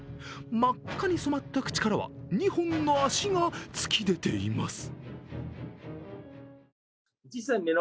真っ赤に染まった口からは２本の足が突き出ています。